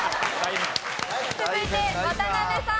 続いて渡辺さん。